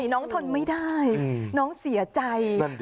น้องทนไม่ได้น้องเสียใจ